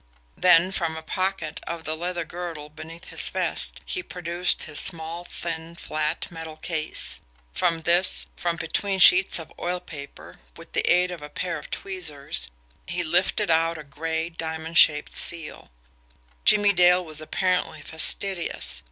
Then from a pocket of the leather girdle beneath his vest he produced his small, thin, flat, metal case. From this, from between sheets of oil paper, with the aid of a pair of tweezers, he lifted out a gray, diamond shaped seal. Jimmie Dale was apparently fastidious.